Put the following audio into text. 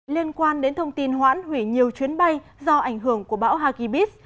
liên quan đến thông tin hoãn hủy nhiều chuyến bay do ảnh hưởng của bão hagibis